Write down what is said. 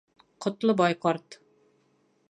Ҡотлобай ҡарт.